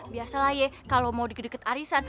biasalah ya kalau mau deket deket arisan